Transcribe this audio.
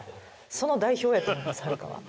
その代表やと思いますはるかは。